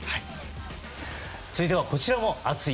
続いては、こちらも熱い！